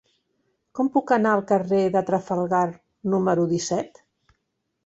Com puc anar al carrer de Trafalgar número disset?